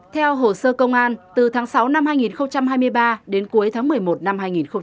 theo hồ sơ công an từ tháng sáu năm hai nghìn hai mươi ba đến cuối tháng một mươi một năm hai nghìn hai mươi ba